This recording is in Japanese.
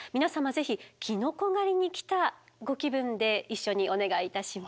ぜひキノコ狩りに来たご気分で一緒にお願いいたします。